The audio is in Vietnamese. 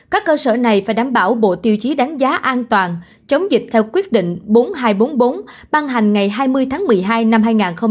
các cơ sở này phải đảm bảo bộ tiêu chí đánh giá an toàn chống dịch theo quyết định bốn hai bốn bốn ban hành ngày hai mươi tháng một mươi hai năm hai nghìn hai mươi một